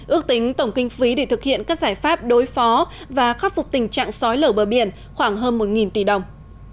ước tính tổng kinh phí để thực hiện các giải pháp đối phó và khắc phục tình trạng sói lở bờ biển khoảng hơn một tỷ đồng